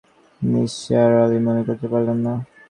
নিসার আলি মনে করতে পারলেন না।